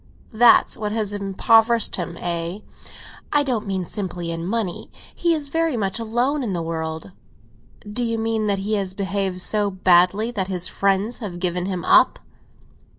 "That's what has impoverished him, eh?" "I don't mean simply in money. He is very much alone in the world." "Do you mean that he has behaved so badly that his friends have given him up?"